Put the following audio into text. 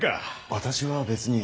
私は別に。